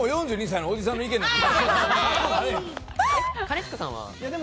４２歳のおじさんの意見なんて。